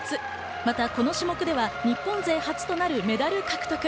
また、この種目では日本勢、初めてとなるメダル獲得。